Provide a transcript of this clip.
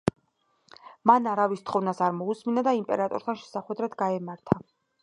მან არავის თხოვნას არ მოუსმინა და იმპერატორთან შესახვედრად გაემართა.